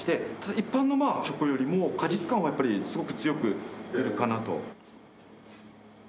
一般のチョコよりも果実感はやっぱりすごく強く出るかなと。